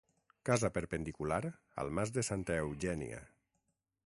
Casa perpendicular al mas de Santa Eugènia.